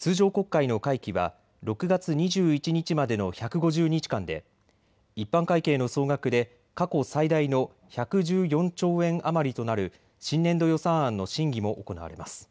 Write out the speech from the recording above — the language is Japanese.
通常国会の会期は６月２１日までの１５０日間で一般会計の総額で過去最大の１１４兆円余りとなる新年度予算案の審議も行われます。